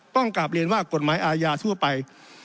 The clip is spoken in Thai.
กลับเรียนว่ากฎหมายอาญาทั่วไป